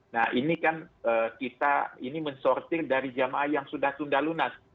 nah ini kan kita ini mensortir dari jemaah yang sudah sundalunas